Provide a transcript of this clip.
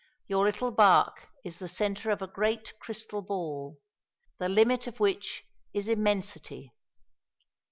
Your little bark is the centre of a great crystal ball, the limit of which is Immensity!